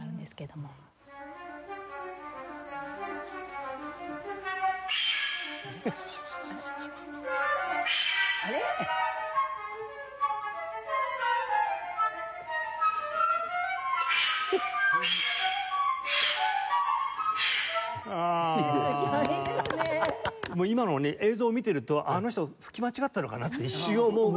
もう今のね映像を見てるとあの人吹き間違ったのかなって一瞬思うぐらいの。